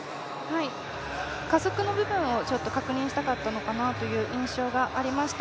加速の部分を確認したかったのかなという印象がありました。